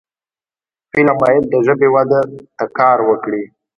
فلم باید د ژبې وده ته کار وکړي